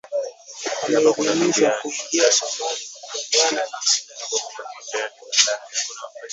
wameidhinishwa kuingia Somalia kukabiliana na Al Shabaab